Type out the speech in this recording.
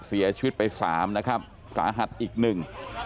เสียชีวิตไปสามนะครับสาหัสอีกหนึ่ง